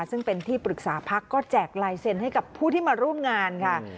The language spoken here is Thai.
ซึ่งเป็นที่ปรึกษาพักก็แจกลายเซ็นต์ให้กับผู้ที่มาร่วมงานค่ะ